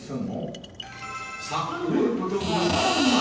［さかのぼること５時間前］